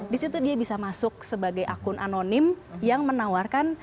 di situ dia bisa masuk sebagai akun anonim yang menawarkan